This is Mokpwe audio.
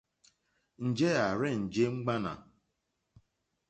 Njɛ̂ à rzênjé ŋmánà.